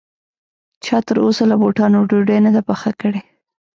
چا تر اوسه له بوټانو ډوډۍ نه ده پخه کړې